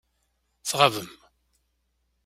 Tɣabem.